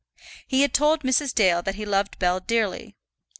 He had told Mrs. Dale that he loved Bell dearly.